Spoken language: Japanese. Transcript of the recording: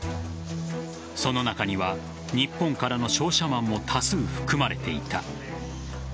その中には日本からの商社マンも多数含まれていた。